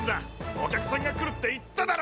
お客さんが来るって言っただろ！